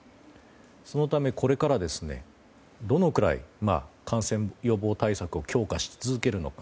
そのため、これからはどのくらい感染予防対策を強化し続けるのか。